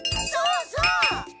そうそう！